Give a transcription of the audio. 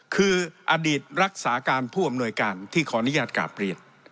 คืออดีตรักษาการผู้อำนวยการที่ขออนุญาตกราบเรียน